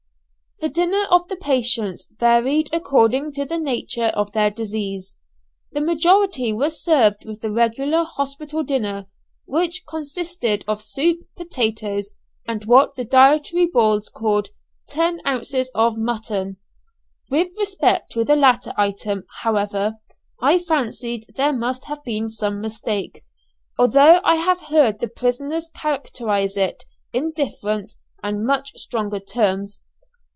The dinner of the patients varied according to the nature of their disease. The majority were served with the regular hospital dinner, which consisted of soup, potatoes, and what the dietary boards called "Ten ounces of mutton." With respect to the latter item, however, I fancy there must have been some mistake, although I have heard the prisoners characterize it in different and much stronger terms.